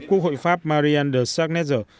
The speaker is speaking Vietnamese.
quốc hội pháp marianne de sargneser